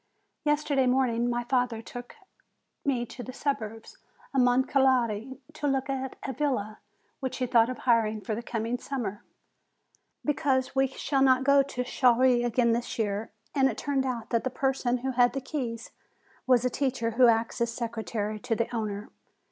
Yesterday morning my father took me to the suburbs of Moncalieri, to look at a villa which he thought of hiring for the coming summer, because we shall not go to Chieri again this year, and it turned out that the person who had the keys was a teacher who acts as secretary to the owner.